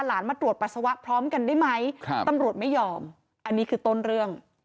อันนี้คือต้นเรื่อง